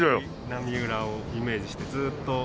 波裏をイメージしてずっと。